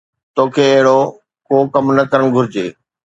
توکي اهڙو ڪو ڪم نه ڪرڻ گهرجي